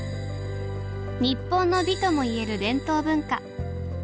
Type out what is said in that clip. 日本の美ともいえる伝統文化。